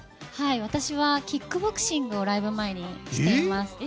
私はキックボクシングをライブ前にしています。